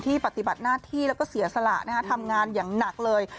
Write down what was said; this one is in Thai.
ปฏิบัติหน้าที่แล้วก็เสียสละทำงานอย่างหนักเลย